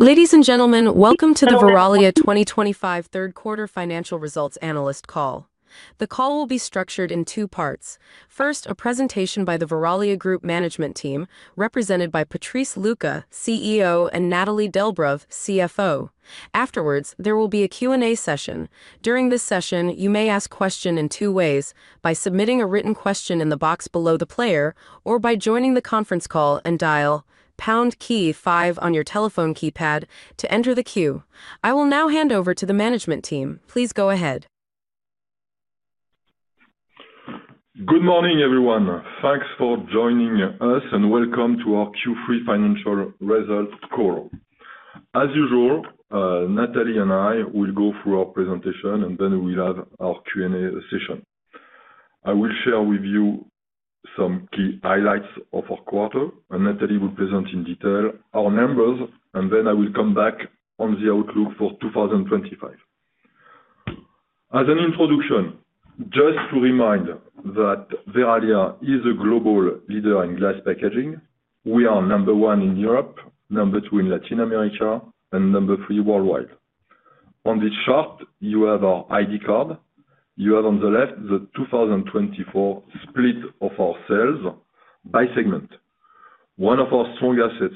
Ladies and gentlemen, welcome to the Verallia 2025 third quarter financial results analyst call. The call will be structured in two parts. First, a presentation by the Verallia Group management team represented by Patrice Lucas, CEO, and Nathalie Delbreuve, CFO. Afterwards, there will be a Q and A session. During this session, you may ask questions in two ways: by submitting a written question in the box below the player or by joining the conference call and dialing the pound key five on your telephone keypad to enter the queue. I will now hand over to the management team. Please go ahead. Good morning everyone. Thanks for joining us and welcome to our Q3 financial results call. As usual, Nathalie and I will go through our presentation and then we'll have our Q&A session. I will share with you some key highlights of our quarter and Nathalie will present in detail our numbers and then I will come back on the outlook for 2025. As an introduction, just to remind that Verallia is a global leader in glass packaging. We are number one in Europe, number two in Latin America, and number three worldwide. On this chart you have our ID card. You have on the left the 2024 split of our sales by segment. One of our strong assets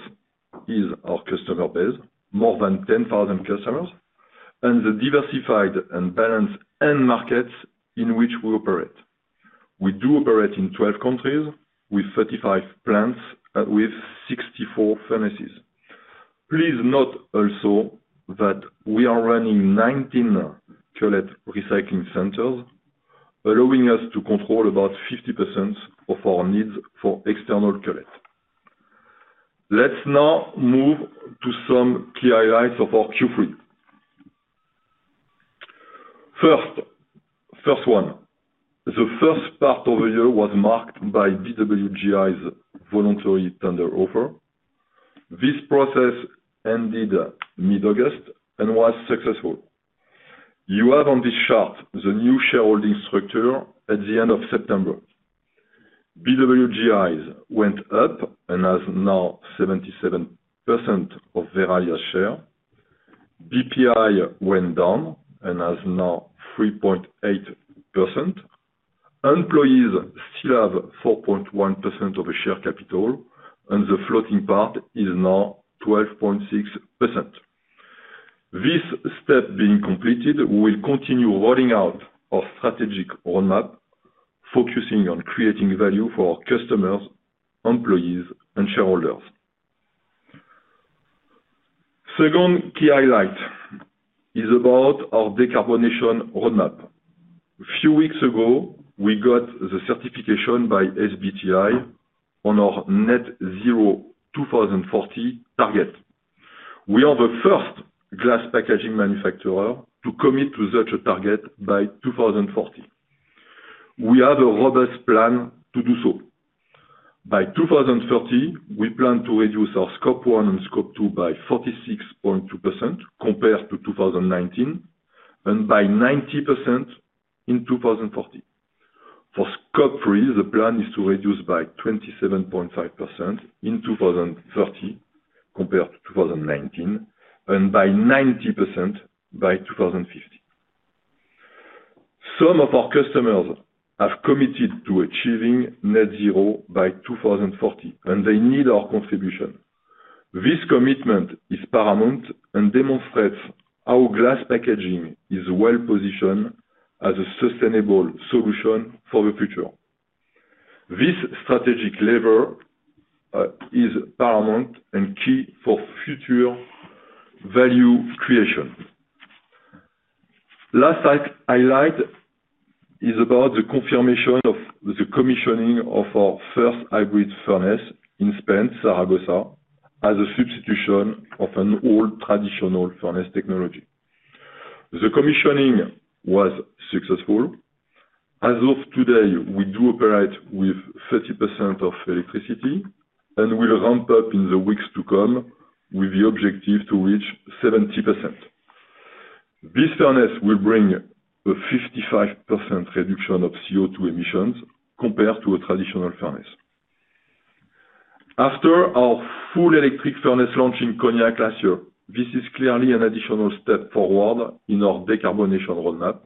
is our customer base, more than 10,000 customers and the diversified and balanced end markets in which we operate. We do operate in 12 countries with 35 plants with 64 furnaces. Please note also that we are running 19 cullet recycling centers allowing us to control about 50% of our needs for external cullet. Let's now move to some key highlights of our Q3. First, the first part of the year was marked by BWGI's voluntary tender offer. This process ended mid-August and was successful. You have on this chart the new shareholding structure. At the end of September, BWGI went up and has now 77% of Verallia's share. BPI went down and has now 3.8%. Employees still have 4.1% of share capital and the floating part is now 12.6%. This step being completed, we will continue rolling out our strategic roadmap focusing on creating value for our customers, employees, and shareholders. Second key highlight is about our decarbonization roadmap. A few weeks ago we got the certification by SBTi on our net zero 2040 target. We are the first glass packaging manufacturer to commit to such a target. By 2040 we have a robust plan to do so. By 2030 we plan to reduce our scope 1 and scope 2 by 46.2% compared to 2019 and by 90% in 2040. For scope 3, the plan is to reduce by 27.5% in 2030 compared to 2019 and by 90% by 2050. Some of our customers have committed to achieving net zero by 2040 and they need our contribution. This commitment is paramount and demonstrates how glass packaging is well positioned as a sustainable solution for the future. This strategic lever is paramount and key for future value creation. Last highlight is about the confirmation of the commissioning of our first hybrid furnace in Spain, Zaragoza, as a substitution of an old traditional furnace technology. The commissioning was successful. As of today, we do operate with 30% of electricity and will ramp up in the weeks to come with the objective to reach 70%. This furnace will bring a 55% reduction of CO2 emissions compared to a traditional furnace. After our full electric furnace launch in Cognac last year, this is clearly an additional step forward in our decarbonization roadmap.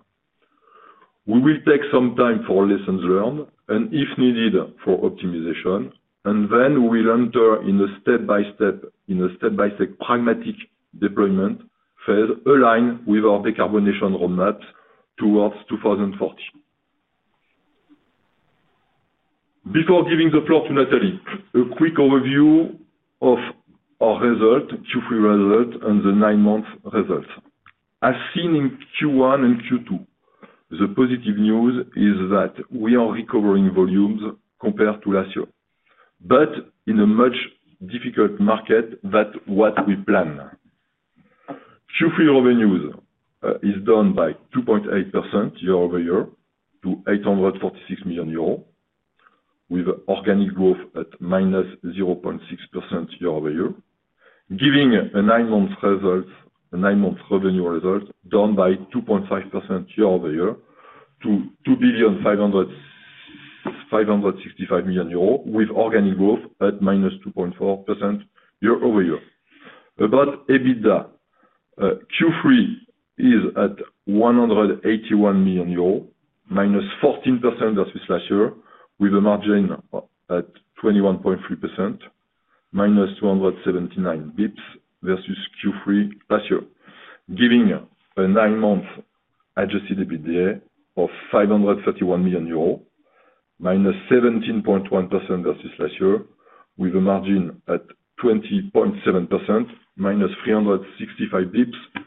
We will take some time for lessons learned and, if needed, for optimization, and then we'll enter in a step-by-step pragmatic deployment aligned with our decarbonization roadmap towards 2040. Before giving the floor to Nathalie, a quick overview of our Q3 results and the nine-month results as seen in Q1 and Q2. The positive news is that we are recovering volumes compared to last year, but in a much more difficult market than what we planned. Revenue is down by 2.8% year over year to €846 million, with organic growth at -0.6% year over year, giving a nine-month result. A nine-month revenue result down by 2.5% year over year to €2,565 million, with organic growth at -2.4% year over year. About EBITDA, Q3 is at €181 million, -14% versus last year, with a margin at 21.3%, -279 basis point versus Q3 last year, giving a nine-month adjusted EBITDA of €531 million, -17.1% versus last year, with a margin at 20.7%, -365 bps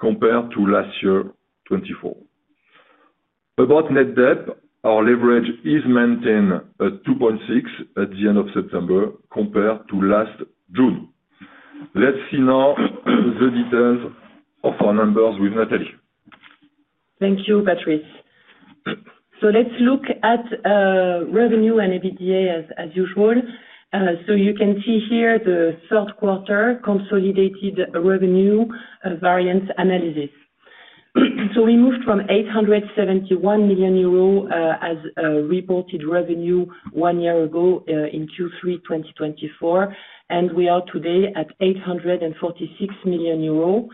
compared to last year 2024. About net debt, our leverage is maintained at 2.6 at the end of September compared to last June. Let's see now the details of our numbers with Nathalie. Thank you, Patrice. Let's look at revenue and EBITDA as usual. You can see here the third quarter consolidated revenue variance analysis. We moved from €871 million as reported revenue one year ago in Q3 2024, and we are today at €846 million.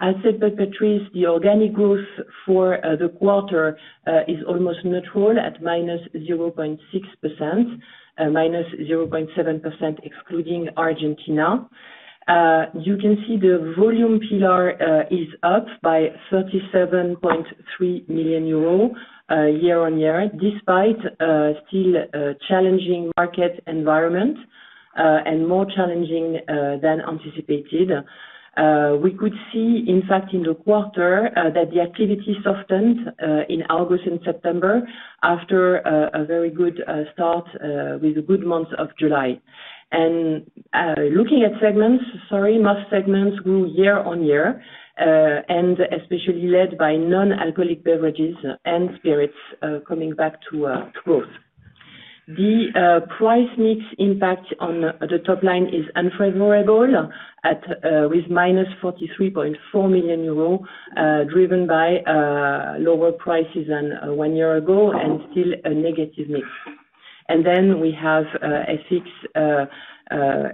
As said by Patrice, the organic growth for the quarter is almost neutral at -0.6%, and -0.7% excluding Argentina. You can see the volume pillar is up by €37.3 million year on year. Despite still a challenging market environment and more challenging than anticipated, we could see in fact in the quarter that the activity softened in August and September after a very good start with a good month of July. Looking at segments, most segments grew year on year, especially led by non-alcoholic beverages and spirits. Coming back to growth, the price/mix impact on the top line is unfavorable with -€43.4 million, driven by lower prices than one year ago and still a negative mix. Then we have FX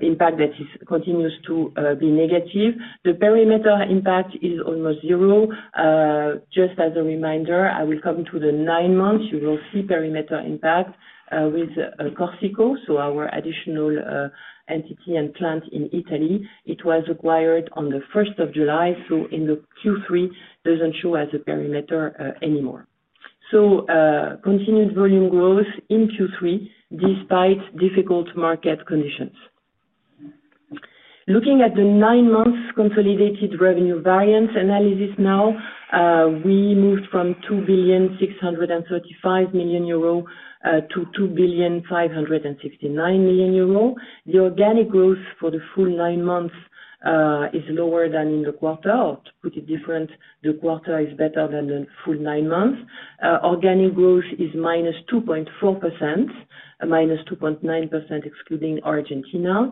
impact that continues to be negative. The perimeter impact is almost zero. Just as a reminder, I will come to the nine months. You will see perimeter impact with Corsico, our additional entity and plant in Italy. It was acquired on the 1st of July, so in Q3 it doesn't show as a perimeter anymore. Continued volume growth in Q3 despite difficult market conditions. Looking at the nine months consolidated revenue variance analysis now, we moved from €2,635 million-€2,569 million. The organic growth for the full nine months is lower than in the quarter. To put it differently, the quarter is better than the full nine months. Organic growth is -2.4%, -2.9% excluding Argentina.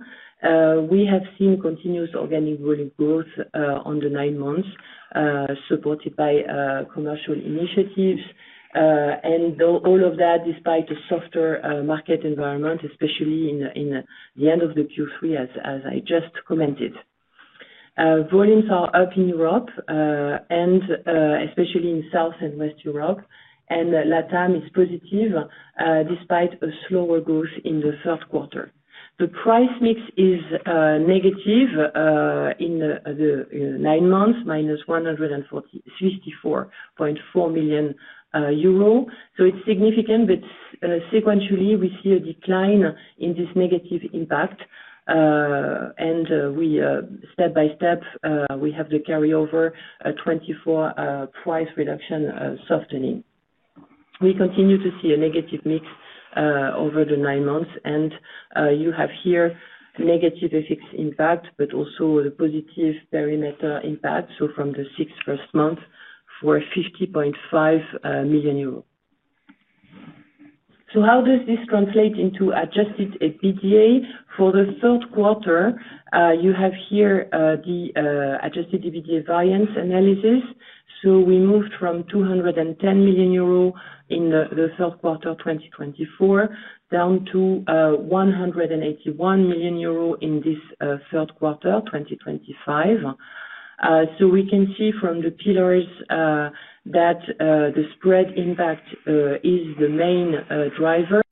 We have seen continuous organic growth on the nine months, supported by commercial initiatives and all of that despite a softer market environment, especially at the end of Q3 as I just commented. Volumes are up in Europe and especially in South and West Europe, and Latin America is positive despite a slower growth in the third quarter. The price/mix is negative in the nine months, -€154.4 million, so it's significant. Sequentially, we see a decline in this negative impact and step by step we have the carryover 2024 price reduction softening. We continue to see a negative mix over the nine months. You have here negative FX impact, but also the positive perimeter impact from the first six months for €50.5 million. How does this translate into adjusted EBITDA for the third quarter? You have here the adjusted EBITDA variance analysis. We moved from €210 million in the third quarter 2024 down to €181 million in this third quarter 2025. We can see from the pillars that the spread impact is the main driver,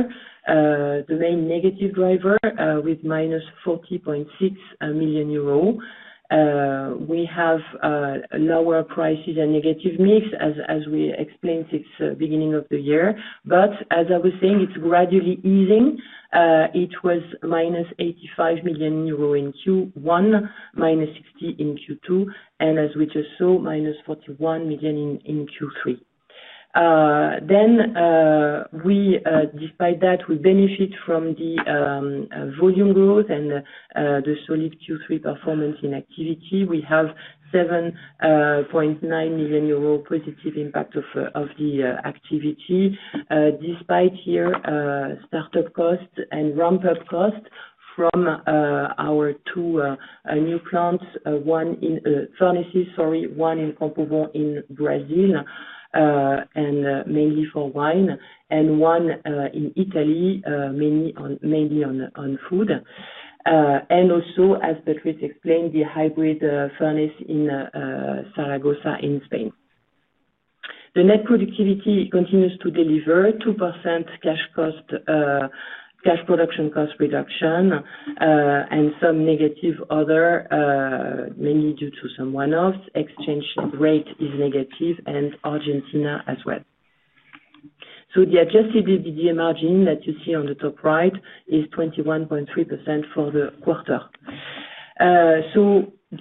the main negative driver. With minus €40.6 million, we have lower prices and negative mix as we explained since the beginning of the year. As I was saying, it's gradually. It was minus €85 million in Q1, minus €60 million in Q2, and as we just saw, minus €41 million in Q3. Despite that, we benefit from the volume growth and the solid Q3 performance in activity. We have €7.9 million positive impact of the activity despite here startup cost and ramp up cost from our two new plants, one in Compauban in Brazil mainly for wine and one in Italy mainly on food. Also, as Patrice explained, the hybrid furnace in Zaragoza in Spain. The net productivity continues to deliver 2% cash production cost reduction and some negative, other mainly due to some one-offs. Exchange rate is negative and Argentina as well. The adjusted EBITDA margin that you see on the top right is 21.3% for the quarter.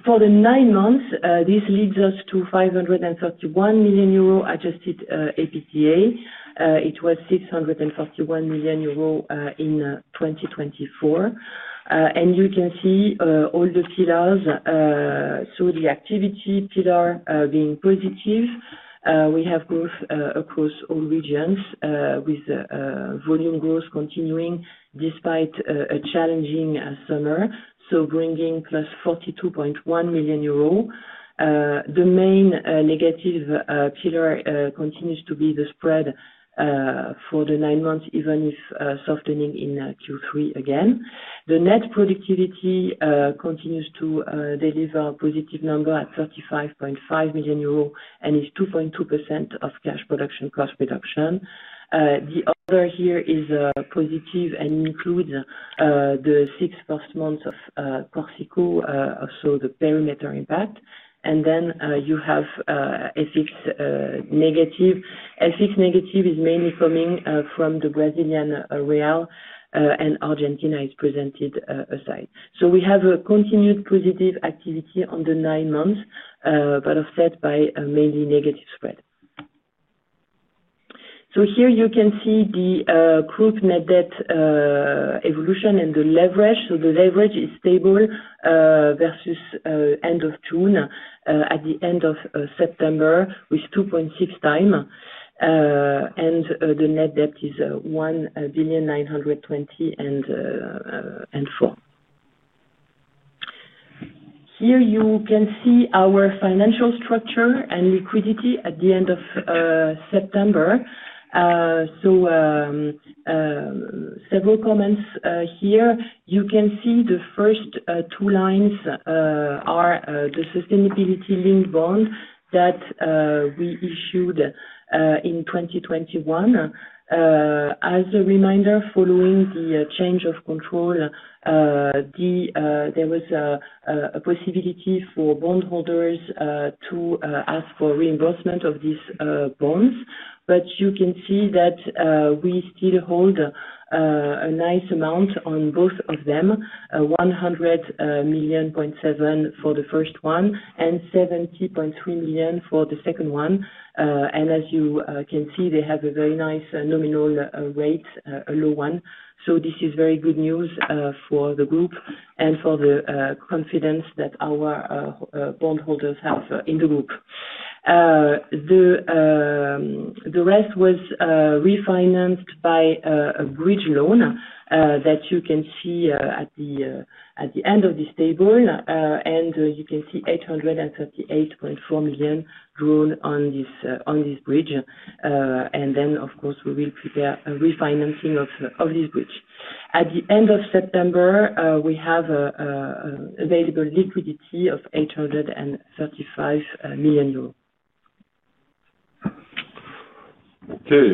For the nine months, this leads us to €531 million adjusted EBITDA. It was €641 million in 2024. You can see all the pillars. The activity pillar being positive, we have growth across all regions with volume growth continuing despite a challenging summer, bringing plus €42.1 million. The main negative pillar continues to be the spread for the nine months even if softening in Q3 again. The net productivity continues to deliver a positive number at €35.5 million and is 2.2% of cash production cost reduction. The other here is positive and includes the six first months of Corsico, also the perimeter impact. Then you have FX negative. FX negative is mainly coming from the Brazilian real and Argentina is presented aside. We have a continued positive activity on the nine months but offset by mainly negative spread. Here you can see the group net debt evolution and the leverage. The leverage is stable versus end of June, at the end of September with 2.6 times and the net debt is €1,920.9 million. Here you can see our financial structure and liquidity at the end of September. Several comments. Here you can see the first two lines are the sustainability-linked bond that we issued in 2021. As a reminder, following the change of control, there was a possibility for bondholders to ask for reimbursement of these bonds. You can see that we still hold a nice amount on both of them: €100.7 million for the first one and €70.3 million for the second one. As you can see, they have a very nice nominal rate, a low one. This is very good news for the group and for the confidence that our bondholders have in the group. The rest was refinanced by a bridge loan that you can see at the end of this table. You can see €838.4 million drawn on this bridge. We will prepare a refinancing of this bridge at the end of September. We have available liquidity of €835 million. Okay,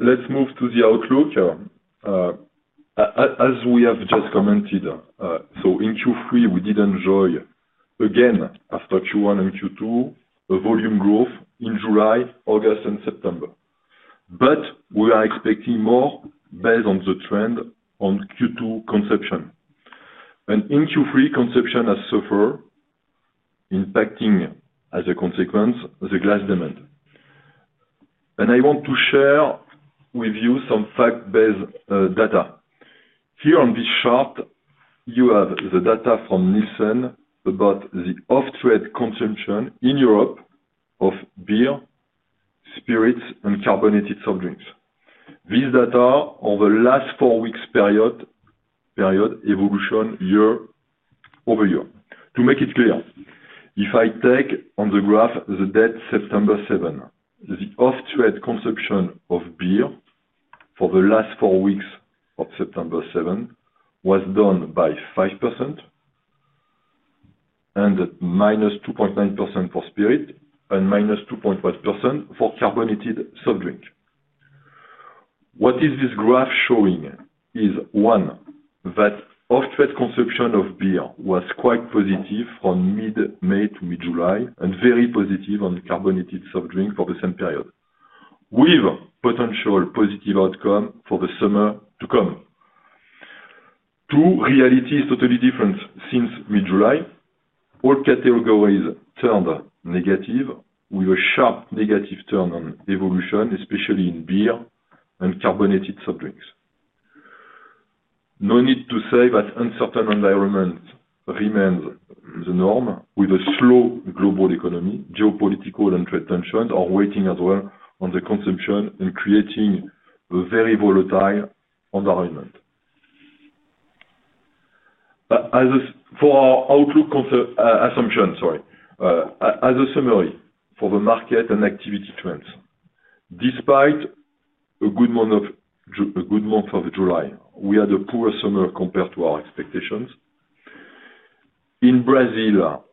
let's move to the outlook as we have just commented. In Q3 we did enjoy again after Q1 and Q2 the volume growth in July, August, and September. We are expecting more based on the trend on Q2 consumption. In Q3 consumption has suffered, impacting as a consequence the glass demand. I want to share with you some fact-based data. Here on this chart you have the data from Nielsen about the off-trade consumption in Europe of beer, spirits, and carbonated soft drinks. These data are over the last four weeks period evolution year over year. To make it clear, if I take on the graph the date September 7, the off-trade consumption of beer for the last four weeks of September 7 was down by 5% and -2.9% for spirits and -2.5% for carbonated soft drinks. What is this graph showing? It is one that off-trade consumption of beer was quite positive from mid-May to mid-July and very positive on carbonated soft drinks for the same period with potential positive outcome for the summer to come. Two realities totally different. Since mid-July all categories turned negative with a sharp negative turn on evolution, especially in beer and carbonated soft drinks. No need to say that uncertain environment remains the norm. With a slow global economy, geopolitical and trade tensions are weighing as well on the consumption and creating a very volatile environment for our outlook assumption. As a summary for the market and activity trends, despite a good month of July, we had a poor summer compared to our expectations. In Brazil,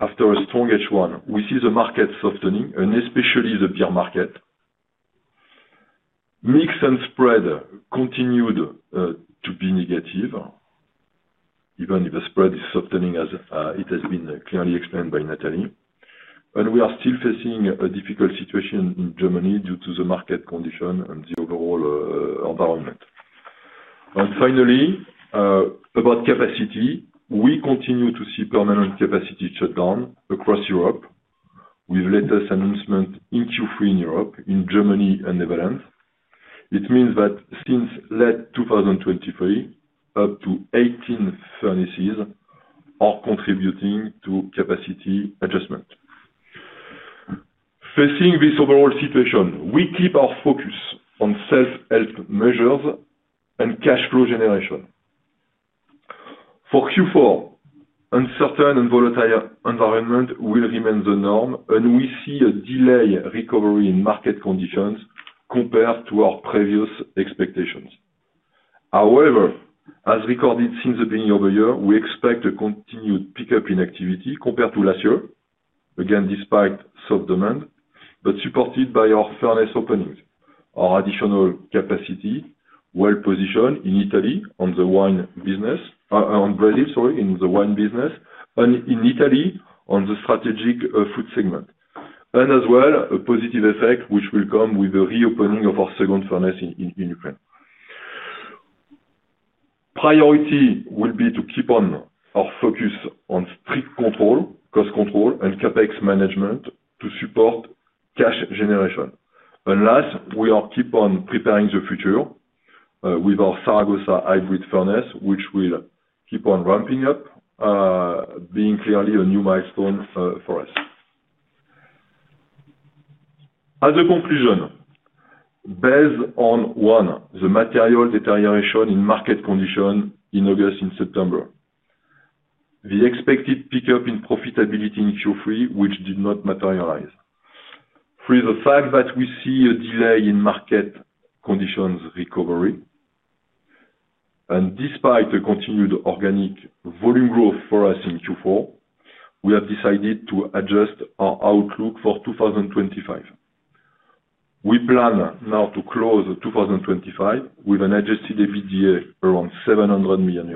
after a strong H1, we see the market softening and especially the beer market mix and spread continued to be negative. Even if the spread is softening as it has been clearly explained by Nathalie, we are still facing a difficult situation in Germany due to the market condition and the overall environment. Finally, about capacity. We continue to see permanent capacity shutdown across Europe. With latest announcements in Q3 in Europe, in Germany and Netherlands, it means that since late 2023 up to 18 furnaces are contributing to capacity adjustment. Facing this overall situation, we keep our focus on self-help measures and cash flow generation for Q4. Uncertain and volatile environment will remain the norm and we see a delayed recovery in market conditions compared to our previous expectations. However, as recorded since the beginning of the year, we expect a continued pickup in activity compared to last year again despite soft demand, but supported by our furnace openings. Our additional capacity well positioned in Italy on the wine business, on Brazil in the wine business, and in Italy on the strategic food segment, and as well a positive effect which will come with the reopening of our second furnace in Ukraine. Priority will be to keep on our focus on strict control, cost control, and CapEx management to support cash generation. Unless we keep on preparing the future with our Zaragoza hybrid furnace, which will keep on ramping up, being clearly a new milestone for us. As a conclusion, based on 1. the material deterioration in market condition in August and September, 2. the expected pickup in profitability in Q3 which did not materialize, 3. the fact that we see a delay in market conditions recovery, and despite the continued organic volume growth for us in Q4, we have decided to adjust our outlook for 2025. We plan now to close 2025 with an adjusted EBITDA around €700 million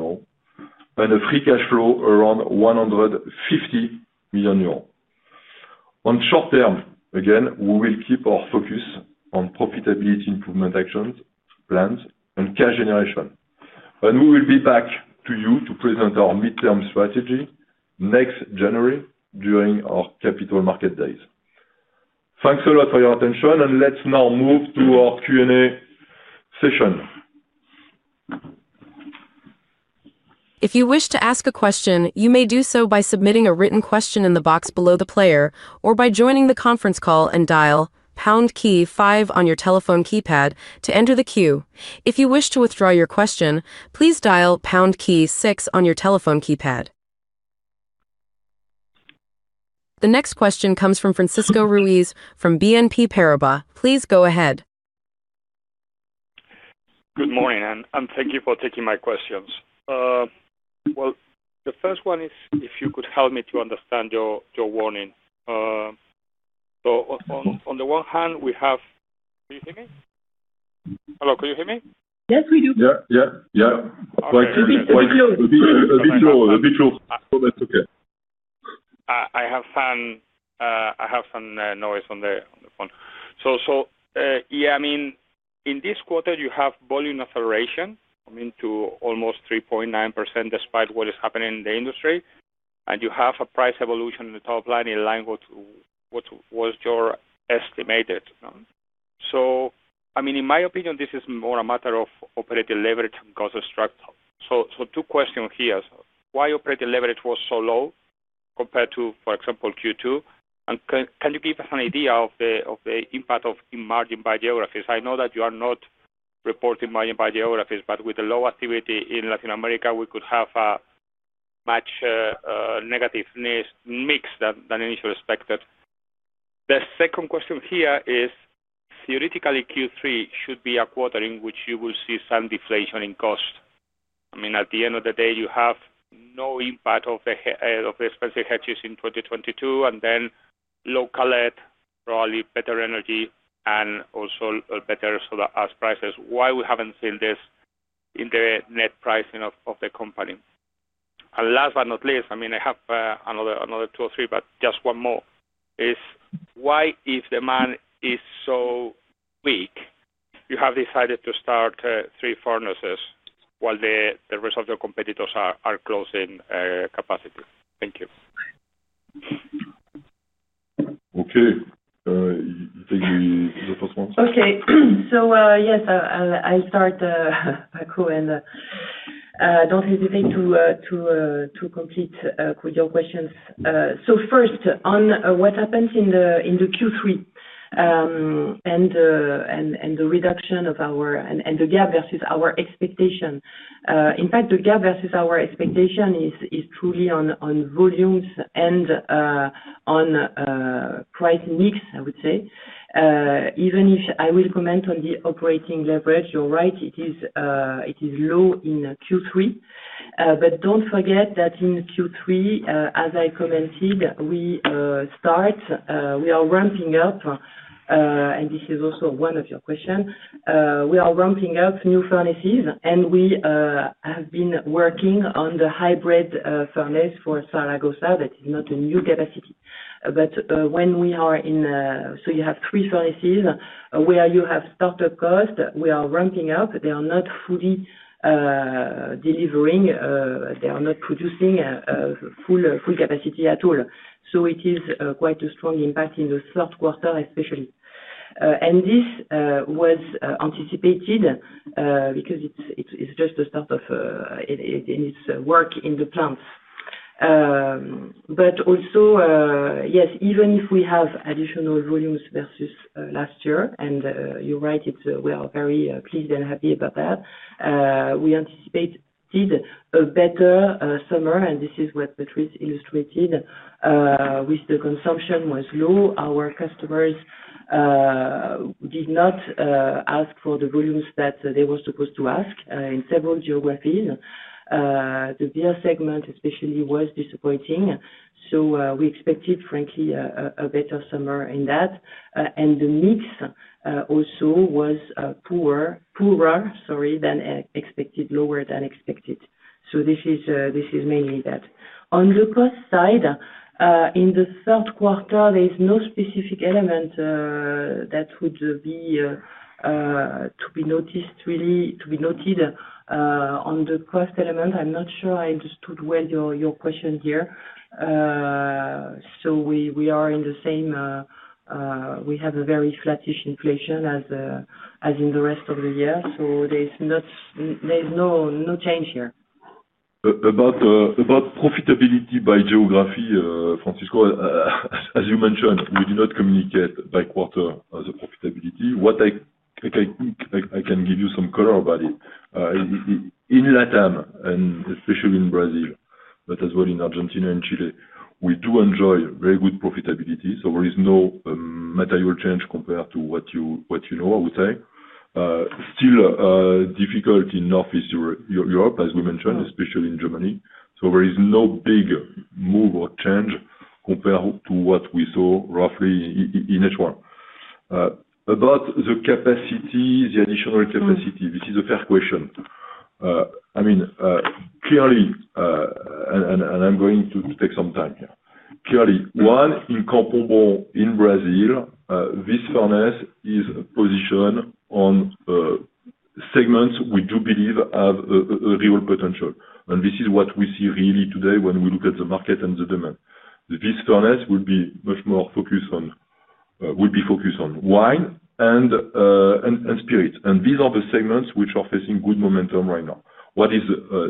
and a free cash flow around €150 million on short term. Again, we will keep our focus on profitability, improvement actions, plans, and cash generation. We will be back to you to present our midterm strategy next January during our Capital Markets Day. Thanks a lot for your attention and let's now move to our Q&A session. If you wish to ask a question, you may do so by submitting a written question in the box below the player or by joining the conference call and dial £ key 5 on your telephone keypad to enter the queue. If you wish to withdraw your question, please dial £ key 6 on your telephone keypad. The next question comes from Francisco Ruiz from BNP Paribas. Please go ahead. Good morning, and thank you for taking my questions. The first one is if you could you help me to understand your warning? On the one hand, we have—do you hear me? Hello? Can you hear me? Yes, we do. Yeah, yeah. I have some noise on the phone. In this quarter, you have volume acceleration to almost 3.9% despite what is happening in the industry, and you have a price evolution in the top line in line with what was your estimate. In my opinion, this is more a matter of operating leverage cost structure. Two questions here. Why was operating leverage so low compared to, for example, Q2, and can you give us an idea of the impact of margin by geographies? I know that you are not reporting margin by geographies, but with the low activity in Latin America, we could have a much more negative mix than initially expected. The second question here is theoretically Q3 should be a quarter in which you will see some deflation in cost. At the end of the day, you have no impact of the expensive hedges in 2022 and then probably better energy and also better prices. Why haven't we seen this in the net pricing of the company? Last but not least, I have another two or three, but just one more is why, if demand is so weak, you have decided to start three furnaces while the rest of the competitors are closing capacity. Thank you. Okay. Okay. Yes, I start Paco, and don't hesitate to complete your questions. First, on what happens in Q3 and the reduction of our and the gap versus our expense. In fact, the gap versus our expectation is truly on volumes and on price/mix. I would say even if I will comment on the operating leverage, you're right, it is low in Q3. Don't forget that in Q3, as I commented, we start, we are ramping up. This is also one of your questions. We are ramping up new furnaces and we have been working on the hybrid furnace for Zaragoza that is not a new capacity. When we are in, you have three furnaces where you have startup cost. We are ramping up. They are not fully delivering. They are not producing full capacity at all. It is quite a strong impact in the third quarter especially. This was anticipated because it's just the start of its work in the plants. Also, yes, even if we have additional volumes versus last year, and you're right, we are very pleased and happy about that. We anticipate a better summer. This is what Patrice illustrated with the consumption was low. Our customers did not ask for the volumes that they were supposed to ask in several geographies. The beer segment especially was disappointing. We expected frankly a better summer in that. The mix also was poor, poorer, sorry, than expected, lower than expected. This is mainly that on the cost side in the third quarter, there is no specific element that would be to be noticed really to be noted on the cost element. I'm not sure I understood well your question here. We are in the same, we have a very sluggish inflation as in the rest of the year so there is no change here. About profitability by geography. Francisco, as you mentioned, we do not communicate by quarter the profitability. What I can give you is some color about it in Latin America and especially in Brazil, but as well in Argentina and Chile, we do enjoy very good profitability. There is no material change compared to what you know. I would say it is still difficult in Northeast Europe, as we mentioned, especially in Germany. There is no big move or change compared to what we saw roughly in H1 about the capacity, the additional capacity. This is the first question, I mean, clearly, and I am going to take some time here, clearly one in Compobou in Brazil, this furnace is positioned on segments we do believe have a real potential. This is what we see really today when we look at the market and the demand. This furnace would be much more focused on, would be focused on wine and spirits. These are the segments which are facing good momentum right now. What is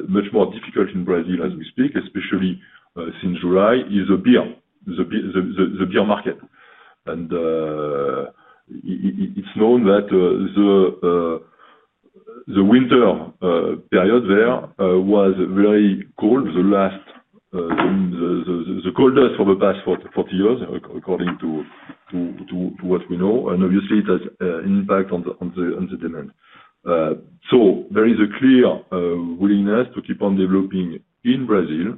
much more difficult in Brazil as we speak, especially since July, is the beer, the beer market. It is known that the winter period there was very cold, the last coldest for the past 40 years, according to what we know. Obviously, it has impact on the demand. There is a clear willingness to keep on developing in Brazil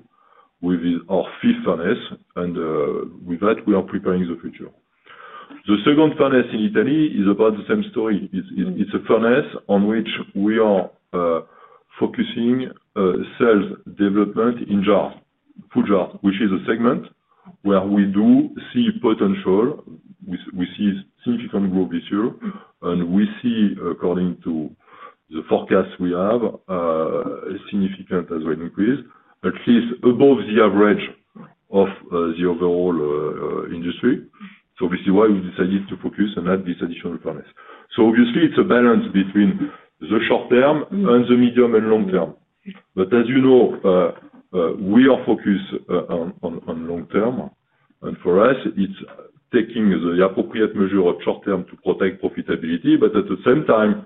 with our fifth furnace, and with that we are preparing the future. The second furnace in Italy is about the same story. It's a furnace on which we are focusing sales, development in jars, food jars, which is a segment where we do see potential. We see significant growth this year and we see, according to the forecast, we have a significant as well increase, at least above the average of the overall industry. This is why we decided to focus on that, this additional promise. Obviously, it's a balance between the short term and the medium and long term. As you know, we are focused on long term. For us it's taking the appropriate measure of short term to protect profitability, but at the same time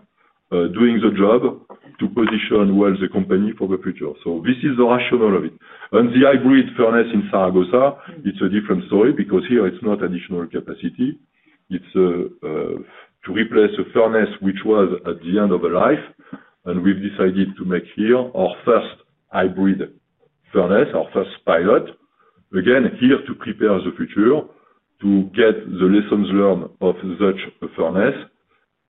doing the job to position well the company for the future. This is the rationale of it. The hybrid furnace in Zaragoza, it's a different story because here it's not additional capacity, it's to replace a furnace which was at the end of a life. We've decided to make here our first hybrid furnace, our first pilot, again here to prepare the future, to get the lessons learned of such a furnace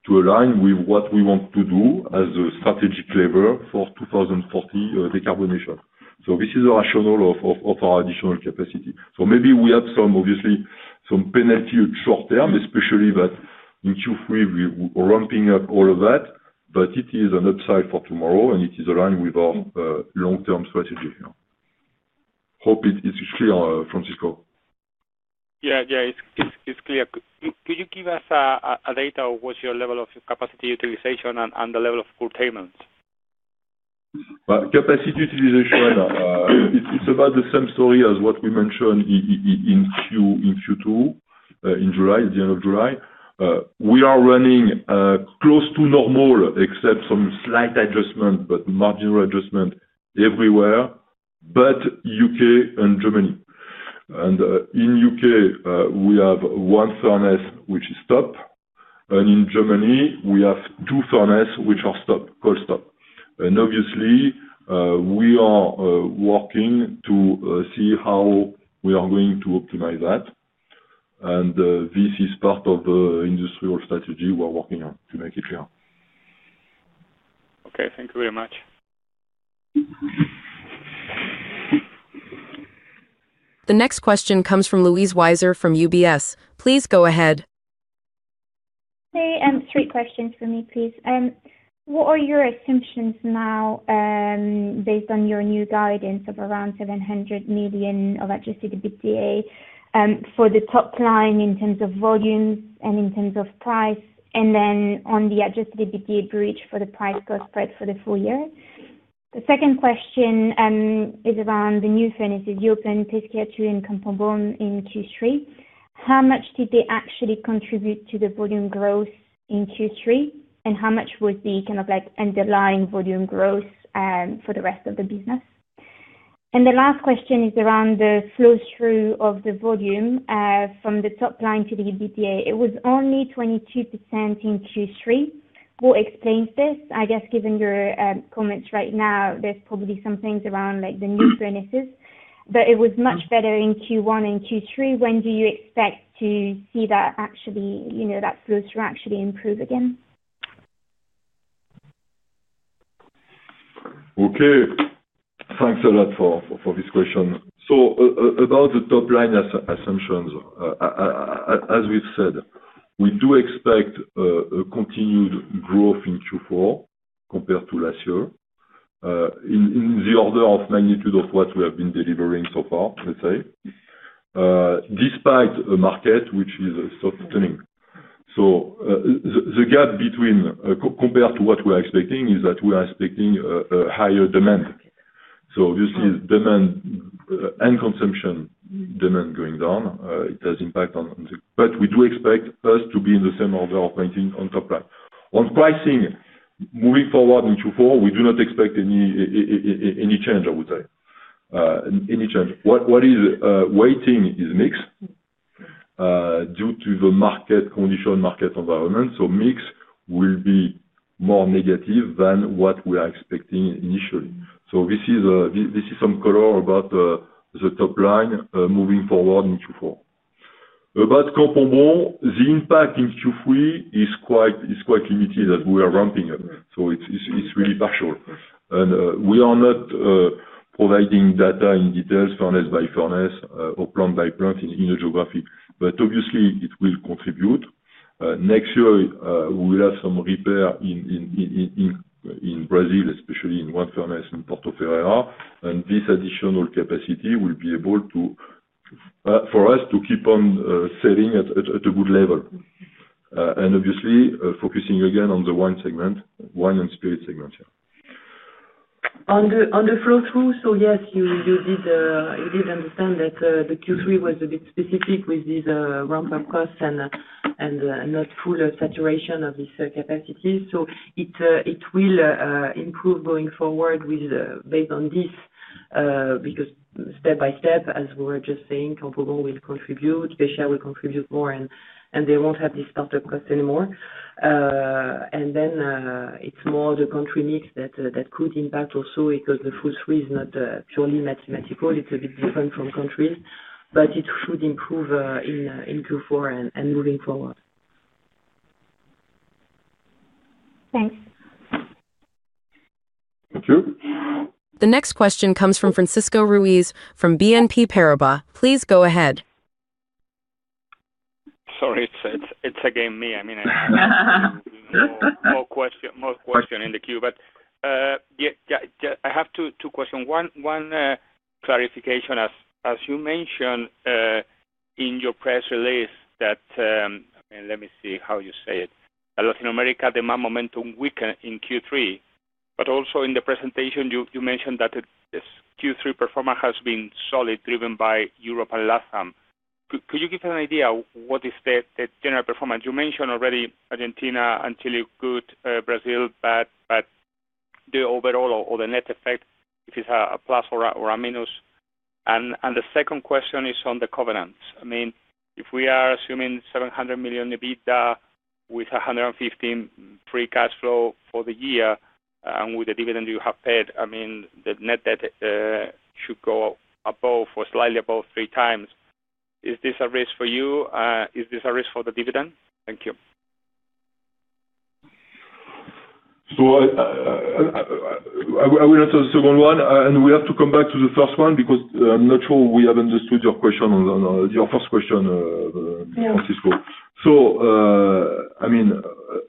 to align with what we want to do as a strategic lever for 2040 decarbonization. This is a rationale of our additional capacity. Maybe we have some, obviously some penalty short term especially that in Q3 we ramping up all of that but it is an upside for tomorrow and it is aligned with our long term strategy here. Hope it's clear. Francisco. Yeah, yeah, it's clear. Could you give us a data, what's your level of capacity utilization and the level of curtailments? Capacity utilization? It's about the same story as what we mentioned in Q2. In July, the end of July we are running close to normal except some slight adjustment, but marginal adjustment everywhere except UK and Germany. In UK we have one furnace which is stopped, and in Germany we have two furnaces which are cold stop. Obviously, we are working to see how we are going to optimize that. This is part of the industrial strategy we're working on to make it clear. Okay, thank you very much. The next question comes from Louise Wiseur from UBS. Please go ahead. Three questions for me please. What are your assumptions now based on your new guidance of around €700 million adjusted EBITDA for the top line in terms of volumes and in terms of price, and then on the adjusted EBITDA bridge for the price growth spread for the full year? The second question is around the new furnaces you opened, Pescia 2 and Campo Bom in Q3. How much did they actually contribute to the volume growth in Q3, and how much was the underlying volume growth for the rest of the business? The last question is around the flow through of the volume from the top line to the EBITDA. It was only 22% in Q3. What explains this? I guess given your comments right now there's probably some things around the new furnaces, but it was much better in Q1 and Q2. When do you expect to see that flow through actually improve again? Okay, thanks a lot for this question. About the top line assumptions, as we've said, we do expect a continued growth in Q4 compared to last year in the order of magnitude of what we have been delivering so far. Let's say despite a market which is softening. The gap compared to what we are expecting is that we are expecting higher demand. You see demand and consumption demand going down. It has impact on, but we do expect us to be in the same order of maintenance on top line on pricing. Moving forward in Q4, we do not expect any change. I would say any change, what is waiting is mix due to the market condition, market environment. Mix will be more negative than what we are expecting initially. This is some color about the top line. Moving forward in Q4, about compound, the impact in Q3 is quite limited as we are ramping up. It is really partial, and we are not providing data in details furnace by furnace or plant by plant in a geography. Obviously, it will contribute. Next year, we will have some repair in Brazil, especially in one furnace in Porto Ferreira. This additional capacity will be able for us to keep on selling at a good level and obviously focusing again on the wine segment, wine and spirit signature. On the flow through, yes, you did understand that the Q3 was a bit specific with these ramp-up costs and not full saturation of these capacities. It will improve going forward based on this because step by step, as we were just saying, Campogon will contribute, Besser will contribute more and more, and they won't have this startup cost anymore. It is more the country mix that could impact also because the flow through is not purely mathematical, it's a bit different from countries. It should improve in Q4 and moving forward. Thanks. The next question comes from Francisco Ruiz from BNP Paribas. Please go ahead. Sorry, it's again me. I mean, more questions in the queue. I have two questions. One clarification, as you mentioned in your press release that, let me see how you say it, Latin America demand momentum weakened in Q3, but also in the presentation you mentioned that this Q3 performance has been solid, driven by Europe and Lhasam. Could you give an idea what is the general performance? You mentioned already Argentina until you could Brazil, but the overall or the net effect, if it's a plus or a minus. The second question is on the covenants. I mean, if we are assuming €700 million EBITDA with €115 million free cash flow for the year and with the dividend you have paid, the net debt should go above or slightly above three times. Is this a risk for you? Is this a risk for the dividend? Thank you. I will answer the second one, and we have to come back to the first one because I'm not sure we have understood your question. Your first question, Francisco. I mean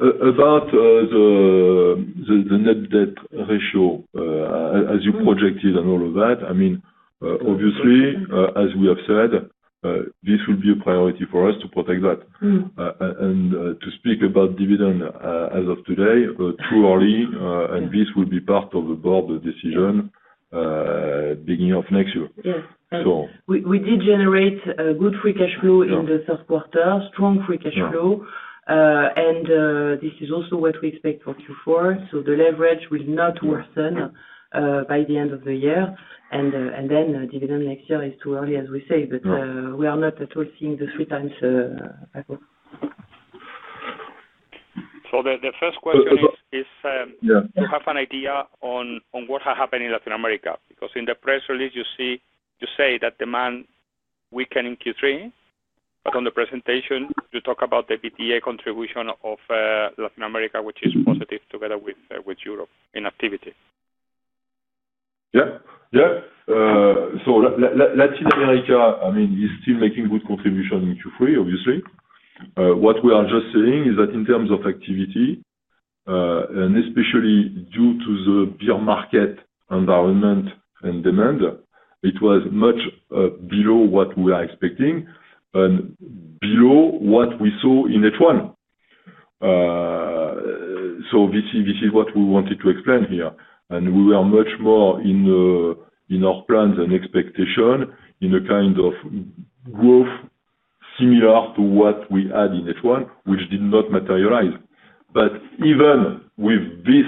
about the net debt ratio as you projected and all of that. Obviously, as we have said, this will be a priority for us to protect that and to speak about dividend as of today, too early. This will be part of the board decision beginning of next year. We did generate good free cash flow in the third quarter, strong free cash flow. This is also what we expect for Q4. The leverage will not worsen by the end of the year, and then dividend next year is too early, as we say. We are not at all seeing the three times. The first question is to have an idea on what has happened in Latin America. In the press release you say that demand weakened in Q3, but on the presentation you talk about the BTA contribution of Latin America which is positive together with Europe in activity. Yeah, yeah. Latin America, I mean, is still making good contribution in Q3. Obviously, what we are just saying is that in terms of activity and especially due to the beer market environment and demand, it was much below what we are expecting and below what we saw in H1. This is what we wanted to explain here. We were much more in our plans and expectation in a kind of growth similar to what we had in H1, which did not materialize. Even with this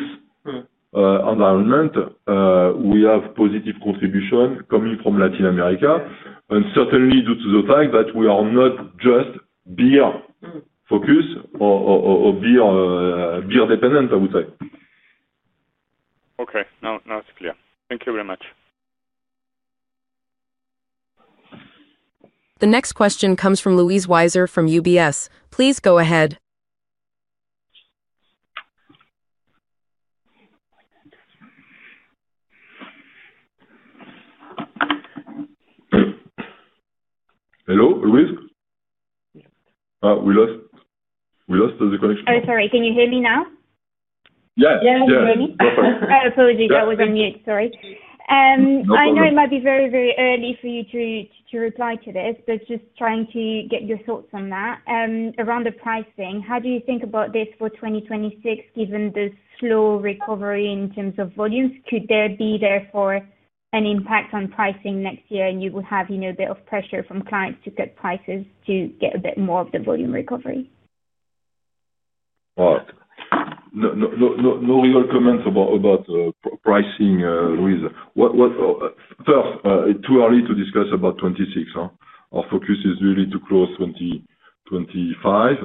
environment, we have positive contribution coming from Latin America and certainly due to the fact that we are not just beer focus or beer dependent, I would say. Okay, now it's clear. Thank you very much. The next question comes from Louise Wiseur from UBS. Please go ahead. Hello, Louise, we lost the connection. Oh, sorry. Can you hear me now? Yes, apologies, I was on mute. Sorry. I know it might be very, very early for you to reply to this, but just trying to get your thoughts on that. Around the pricing, how do you think about this for 2026 given the slow recovery in terms of volumes? Could there be therefore impact on pricing next year? You will have a bit of pressure from clients to cut prices to get a bit more of the volume recovery? No real comments about pricing. Louise, first, it's too early to discuss about 2026. Our focus is really to close 2025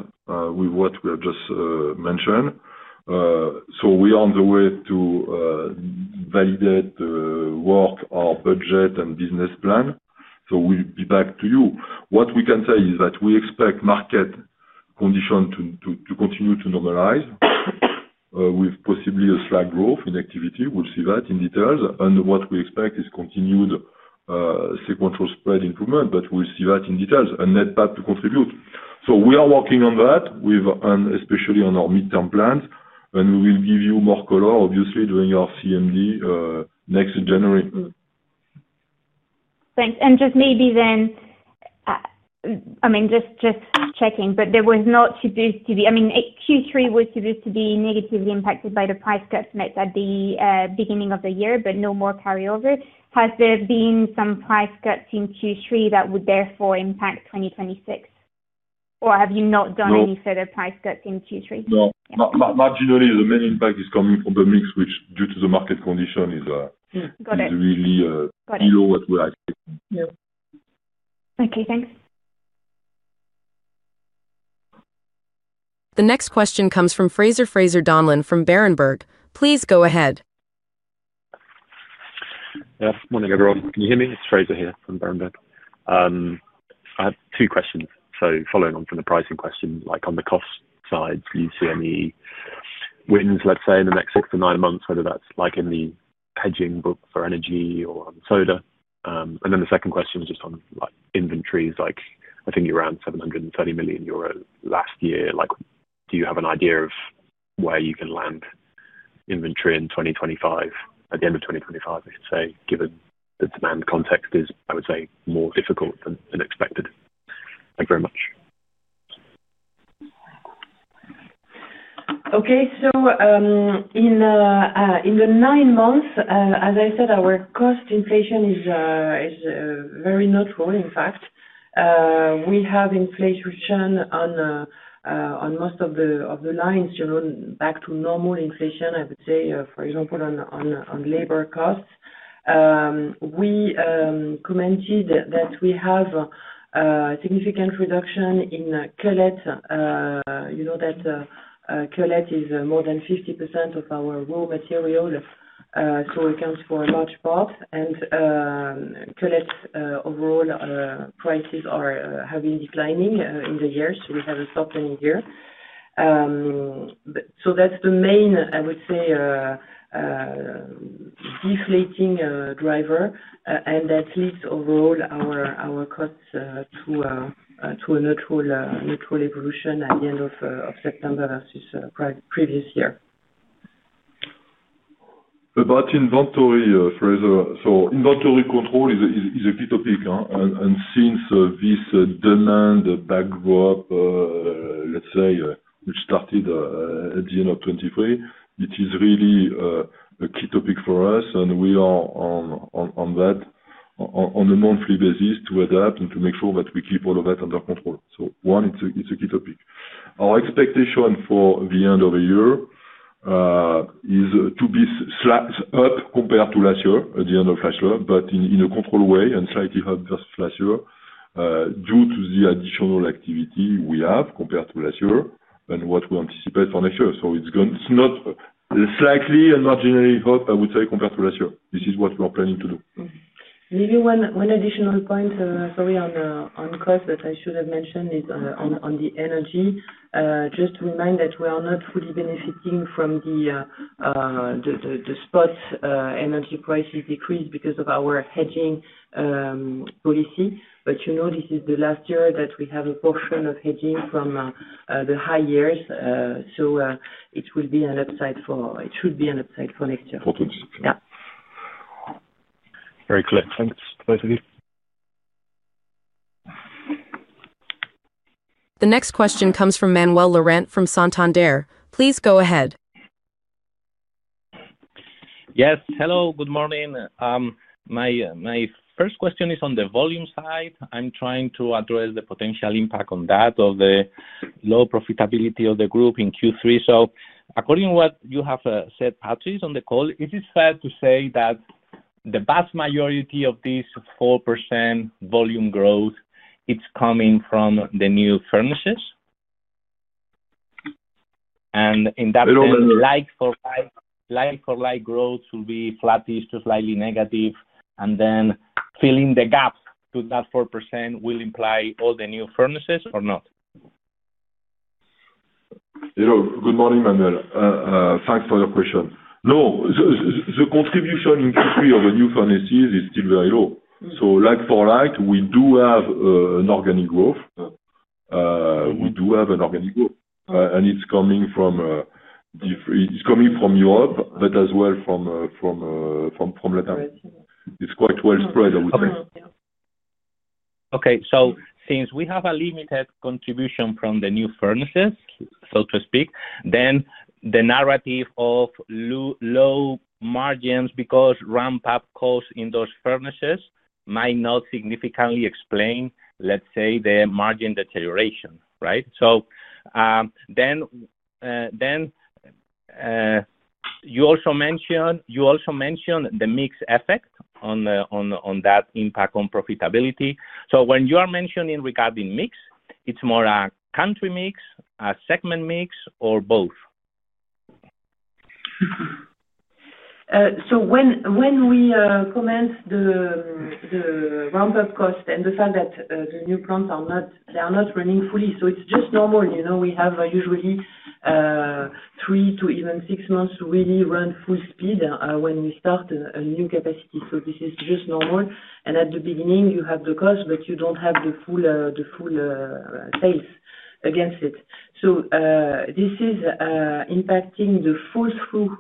with what we have just mentioned. We are on the way to validate and work our budget and business plan. We will be back to you. What we can say is that we expect market conditions to continue to normalize with possibly a slight growth in activity. We will see that in detail. What we expect is continued sequential spread improvement. We will see that in detail. A net to contribute. We are working on that, especially on our midterm plans. We will give you more color obviously during our Capital Markets Day next January. Thanks. Maybe then, I mean, just checking. There was not to boost to be. I mean, Q3 was supposed to be negatively impacted by the price cuts met at the beginning of the year, but no more carryover. Has there been some price cuts in Q3 that would therefore impact 2026, or have you not done any further price cuts in Q3? No, marginally the main impact is coming from the mix, which, due to the market condition, is really. Okay, thanks. The next question comes from Fraser Donlon from Berenberg. Please go ahead. Yeah, morning everyone. Can you hear me? It's Fraser here from Berenberg. I have two questions. Following on from the pricing question, on the cost side, do you see any wins, let's say in the next six to nine months, whether that's in the hedging book for energy or soda? The second question is just on inventories. I think you ran €730 million last year. Do you have an idea of where you can land inventory in 2025? At the end of 2025, I should say, given the demand context is, I would say, more difficult than expected. Thank you very much. Okay, so in the nine months, as I said, our cost inflation is very notable. In fact, we have inflation on most of the lines. Back to normal inflation, I would say, for example, on labor costs, we commented that we have significant reduction in cullet. You know that cullet is more than 50% of our raw material, so it comes for a large part. And cullet's overall prices are having declining in the year. We have a softening here. That's the main, I would say, deflating driver and that leads overall our costs to a neutral evolution at the end of September versus previous year. About inventory, Fraser. Inventory control is a key topic. Since this demand backdrop, let's say, which started at the end of 2023, it is really a key topic for us. We are on that on a monthly basis to adapt and to make sure that we keep all of that under control. It is a key topic. Our expectation for the end of the year is to be up compared to last year, at the end of last year, but in a controlled way and slightly up versus last year due to the additional activity we have compared to last year than what we anticipate for next year. It is not slightly and marginally, I would say, compared to last year. This is what we are planning to do. Maybe one additional point, sorry, on cost that I should have mentioned is on the energy. Just to remind that we are not fully benefiting from the spot energy prices decrease because of our hedging policy. This is the last year that we have a portion of hedging from the high years. It should be an upside for next year. Very clear. Thanks, both of you. The next question comes from Manuel Lorente from Santander. Please go ahead. Yes, hello, good morning. My first question is on the volume side. I'm trying to address the potential impact on that of the low profitability of the group in Q1. According to what you have said, Patrice, on the call, it is fair to say that the vast majority of this 4% volume growth is coming from the new furnaces. In that line, like-for-like growth should be flattish to slightly negative. Filling the gaps to that 4% will imply all the new furnaces or not. Hello. Good morning, Manuel. Thanks for your question. No, the contribution in the new furnaces is still very low. For light, we do have an organic growth, and it's coming from Europe, but as well from Latin America. It's quite widespread. Okay, since we have a limited contribution from the new furnaces, so to speak, the narrative of low margins because ramp up cost in those furnaces might not significantly explain, let's say, the margin deterioration. Right. You also mentioned the mix effect on that impact on profitability. When you are mentioning regarding mix, it's more a country mix, a segment mix, or both. When we comment the ramp up cost and the fact that the new plants are not running fully, it's just normal. We have usually three to even six months to really run full speed when we start a new capacity. This is just normal. At the beginning you have the cost but you don't have the full face against it. This is impacting the full through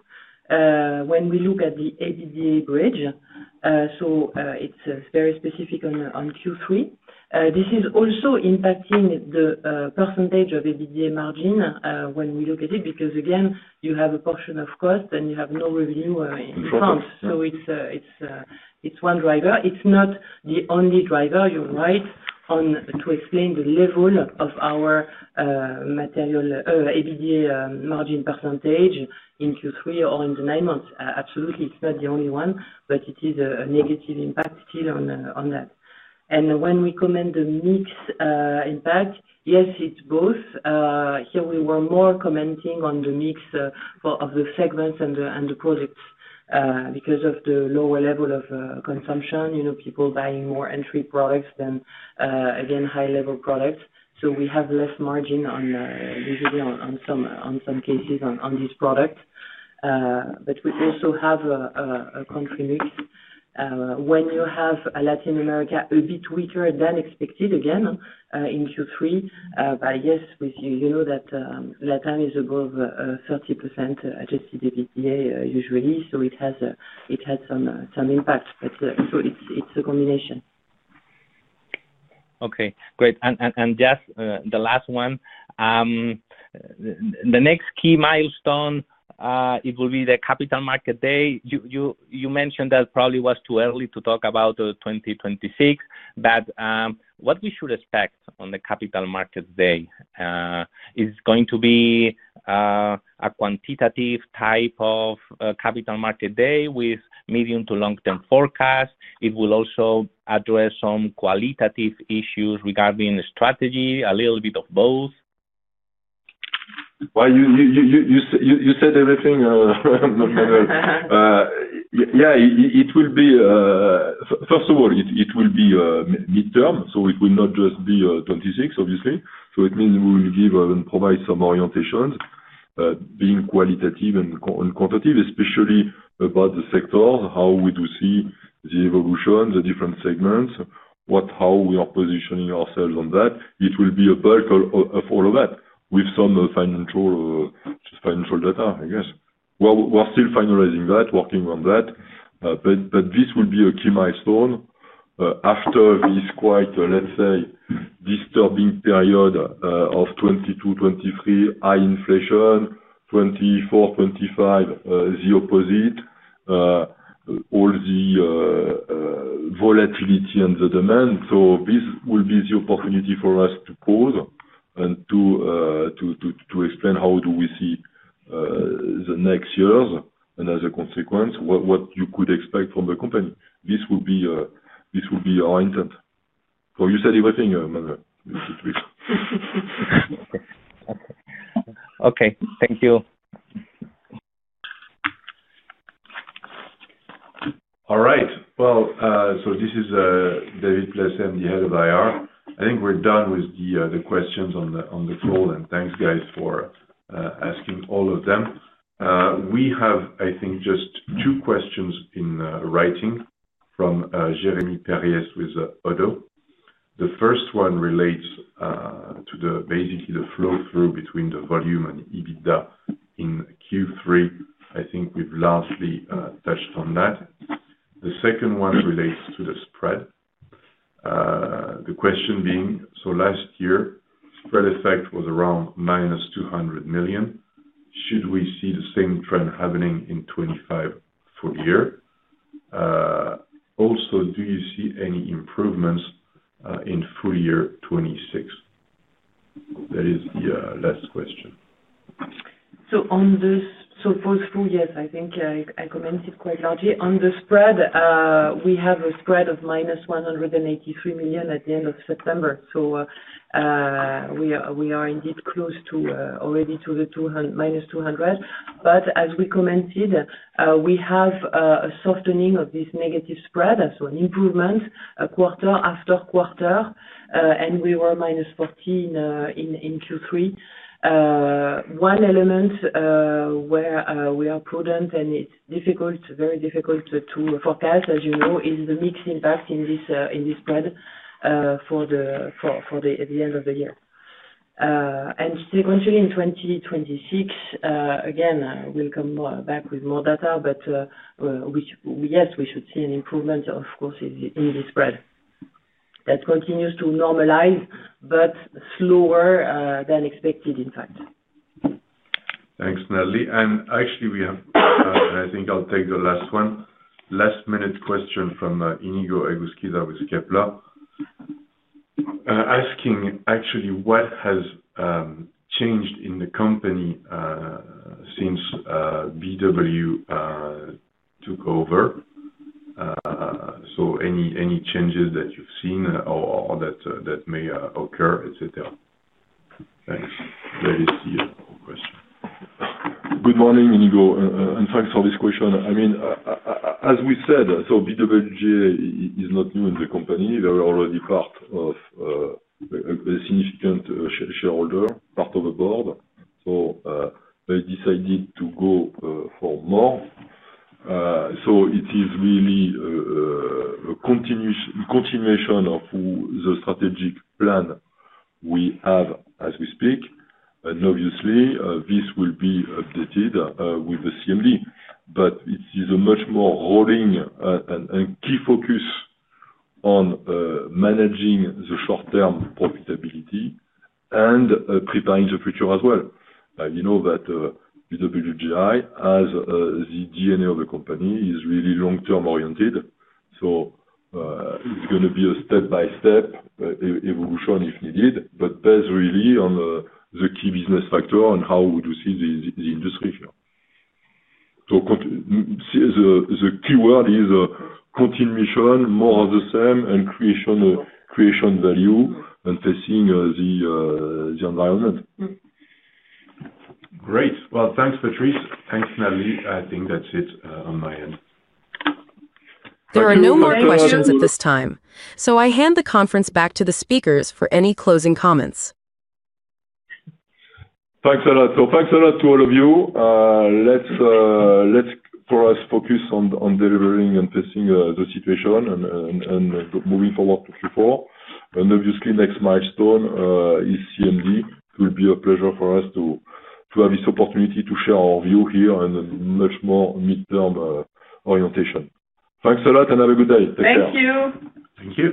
when we look at the EBITDA bridge. It's very specific on Q3. This is also impacting the percentage of EBITDA margin when we look at it because again you have a portion of cost and you have no revenue in front. It's one driver, it's not the only driver. You're right to explain the level of our material EBITDA margin percentage in Q3 or in the nine months. Absolutely, it's not the only one, but it is a negative impact still on that. When we comment the mix impact, yes, it's both. Here we were more commenting on the mix of the segments and the projects because of the lower level of consumption, people buying more entry products than high level products. We have less margin in some cases on these products. We also have a country mix when you have Latin America a bit weaker than expected in Q3. LATAM is above 30% adjusted EBITDA usually, so it had some impact. It's a combination. Okay, great. Just the last one, the next key milestone, it will be the Capital Markets Day. You mentioned that probably was too early to talk about 2026. What we should expect on the Capital Markets Day is going to be a quantitative type of Capital Markets Day with medium to long term forecast. It will also address some qualitative issues regarding strategy, a little bit of both. You said everything. It will be, first of all, midterm. It will not just be 2026, obviously. It means we will give and provide some orientations, being qualitative and quantitative, especially about the sector, how we do see the evolution, the different segments, how we are positioning ourselves on that. It will be a bulk of all of that with some financial data. I guess we're still finalizing that, working on that. This will be a key milestone after this quite, let's say, disturbing period of 2022, 2023, high inflation, 2024, 2025, the opposite, all the volatility and the demand. This will be the opportunity for us to pause and to explain how we see the next years and as a consequence what you could expect from the company. This would be our intent. You said everything. Okay, thank you. All right. This is David Placet, the Head of IR. I think we're done with the questions on the call, and thanks, guys, for asking all of them. We have, I think, just two questions in writing from James Perry with ODDO BHF. The first one relates to basically the flow through between the volume and EBITDA in Q3. I think we've largely touched on that. The second one relates to the spread. The question being, last year spread effect was around -€200 million. Should we see the same trend happening in 2025 full year? Also, do you see any improvements in full year 2026? That is the last question. Yes, I think I commented quite largely on the spread. We have a spread of -$183 million at the end of September. We are indeed already close to the -$200 million. As we commented, we have a softening of this negative spread, so an improvement quarter after quarter, and we were -$14 million in Q3. One element where we are prudent, and it's very difficult to forecast, as you know, is the mix impact in this spread for the end of the year and sequentially in 2026. Again, we'll come back with more data, but yes, we should see an improvement, of course, in the spread that continues to normalize, but slower than expected in fact. Thanks, Nellie. Actually, we have, I think I'll take the last one. Last minute question from Inigo Eguskida with Kepler, asking what has changed in the company since BWGI took over. Any changes that you've seen or that may occur, etc. Thanks. That is the question. Good morning, Inigo, and thanks for this question. As we said, BWGI is not new in the company. They were already a significant shareholder, part of the board, so they decided to go for more. It is really a continuation of the strategic plan we have as we speak. Obviously, this will be updated with the Capital Markets Day, but it is a much more holding and key focus on managing the short-term profitability and preparing the future as well. You know that BWGI, as the DNA of the company, is really long-term oriented. It is going to be a step-by-step evolution if needed, but based really on the key business factor. How would you see the industry here? The key word is continuation, more of the same and creation value and facing the environment. Great. Thanks, Patrice. Thanks, Nathalie. I think that's it on my end. There are no more questions at this time, so I hand the conference back to the speakers for any closing comments. Thanks a lot. Thanks a lot to all of you. Let's focus on delivering and facing the situation and moving forward to Q4, and obviously the next milestone is Capital Markets Day. It will be a pleasure for us to have this opportunity to share our view here in a much more midterm orientation. Thanks a lot and have a good day. Take care. Thank you. Thank you.